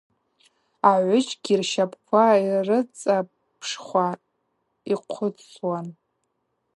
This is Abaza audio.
Агӏвыджьгьи рщапӏква йрыцӏапшхуа йхъвыцуан.